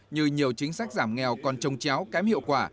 như nhiều chính sách giảm nghèo còn trông chéo kém hiệu quả